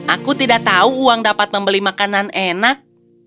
aku tidak tahu uang dapat membeli makanan enak